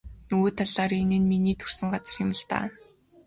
Нөгөө талаар энэ нь миний төрсөн газар юм даа.